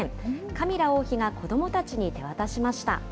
カミラ王妃が子どもたちに手渡しました。